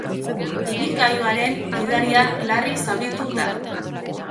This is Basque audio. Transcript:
Ibilgailuaren gidaria larri zauritu da.